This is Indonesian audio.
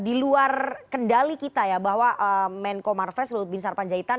di luar kendali kita ya bahwa menko marves lut bin sarpanjaitan